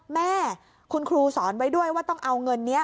แม่คุณครูสอนไว้ด้วยว่าต้องเอาเงินนี้